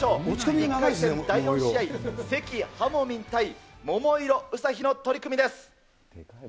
１回戦第４試合、関はもみん対桃色ウサヒの取組です。